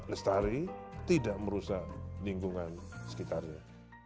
lestari tidak merusak lingkungan sekitarnya